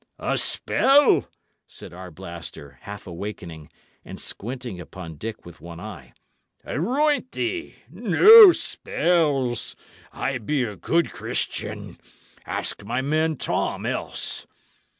"A spell!" said Arblaster, half awakening, and squinting upon Dick with one eye. "Aroint thee! no spells! I be a good Christian. Ask my man Tom, else."